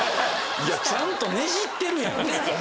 ちゃんとねじってるやん。